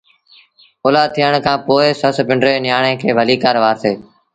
اوآد ٿيڻ کآݩ پو سس پنڊري نيٚآڻي کي ڀليٚڪآر وآرسي